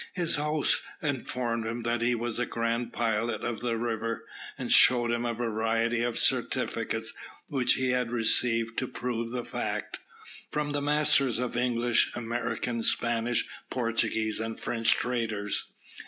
His host informed him that he was a grand pilot of the river, and showed him a variety of certificates which he had received to prove the fact, from the masters of English, American, Spanish, Portuguese, and French traders.